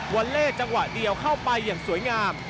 อลเล่จังหวะเดียวเข้าไปอย่างสวยงาม